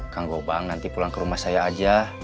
kang gobang nanti pulang ke rumah saya aja